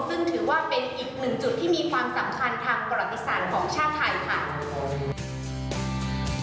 ซึ่งถือว่าเป็นอีกหนึ่งจุดที่มีความสำคัญทางประวัติศาสตร์ของชาติไทยค่ะ